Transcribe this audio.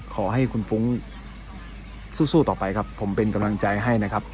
ขอให้คุณฟุ้งสู้ต่อไปครับผมเป็นกำลังใจให้นะครับ